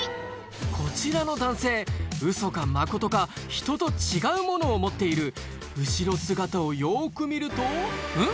こちらの男性ウソかマコトかひとと違うものを持っている後ろ姿をよく見るとん？